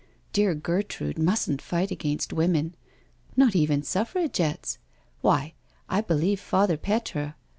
Dear Gertrude mustn't fight against women — not even Suffra gettes. Why, I believe Father Petre